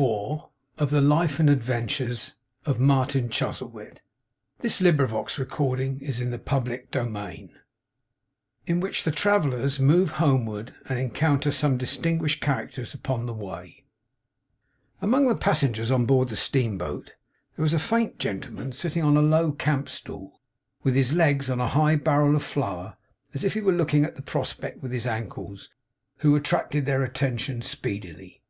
How often it was happiness to wake and find them Shadows that had vanished! CHAPTER THIRTY FOUR IN WHICH THE TRAVELLERS MOVE HOMEWARD, AND ENCOUNTER SOME DISTINGUISHED CHARACTERS UPON THE WAY Among the passengers on board the steamboat, there was a faint gentleman sitting on a low camp stool, with his legs on a high barrel of flour, as if he were looking at the prospect with his ankles, who attracted their attention speedily.